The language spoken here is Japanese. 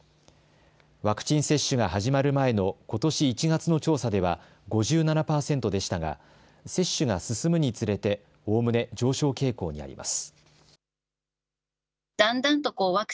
ワクチン接種が始まる前のことし１月の調査では５７％でしたが接種が進むにつれておおむね上昇傾向にあります。